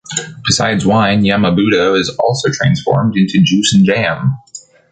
Besides wine, yama-budō is also transformed into juice and jam.